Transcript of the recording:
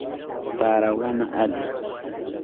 Tarawana alim.